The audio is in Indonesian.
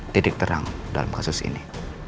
titik terang dalam kasus ini